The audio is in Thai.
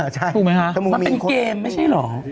มันเป็นเกมไม่ใช่หรอก